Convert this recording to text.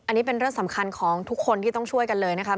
อันนี้เป็นเรื่องสำคัญของทุกคนที่ต้องช่วยกันเลยนะครับ